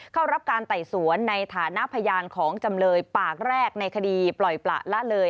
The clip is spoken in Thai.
เข้ารับการไต่สวนในฐานะพยานของจำเลยปากแรกในคดีปล่อยประละเลย